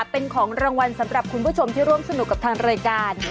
เป็นของรางวัลสำหรับคุณผู้ชมที่ร่วมสนุกกับทางรายการ